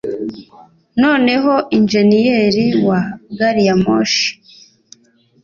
noneho injeniyeri wa gariyamoshi